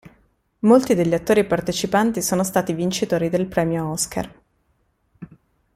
Molti degli attori partecipanti sono stati vincitori del Premio Oscar.